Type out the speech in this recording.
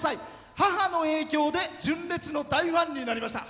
母の影響で純烈の大ファンになりました。